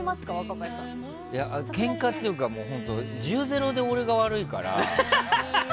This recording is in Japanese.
ケンカっていうか１０：０で俺が悪いから。